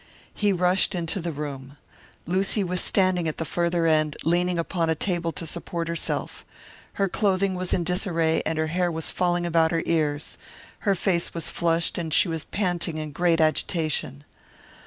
He rushed into the room. Lucy was standing at the farther end, leaning upon a table to support herself. Her clothing was in disarray, and her hair was falling about her ears; her face was flushed, and she was panting in great agitation.